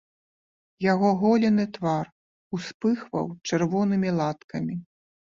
Яго голены твар успыхваў чырвонымі латкамі.